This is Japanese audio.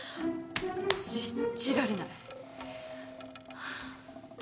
信じられない。